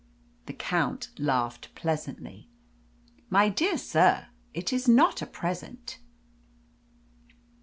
The Count laughed pleasantly. "My dear sir, it is not a present."